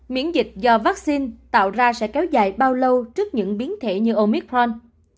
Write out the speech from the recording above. hai miễn dịch do vaccine tạo ra sẽ kéo dài bao lâu trước những biến thể như omicron